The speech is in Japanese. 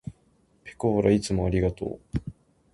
ぺこーらいつもありがとう。